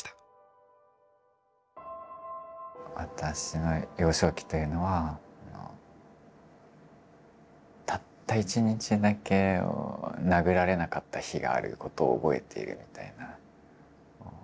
私の幼少期というのはたった１日だけ殴られなかった日があることを覚えているみたいな。